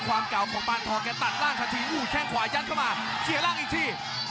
ความเก่าของปานทองแกตัดล่างทันทีโอ้โหแข้งขวายัดเข้ามาเสียร่างอีกที